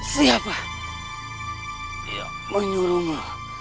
siapa yang menyuruhmu